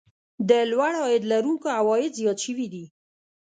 د لوړ عاید لرونکو عوايد زیات شوي دي